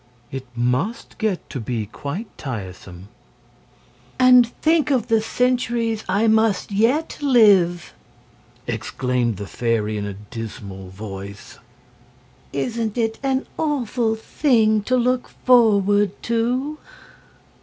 It must get to be quite tiresome." "And think of the centuries I must yet live!" exclaimed the fairy in a dismal voice. "Isn't it an awful thing to look forward to?"